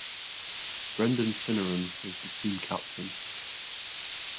Brendan Finneran was the team captain.